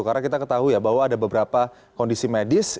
karena kita ketahui bahwa ada beberapa kondisi medis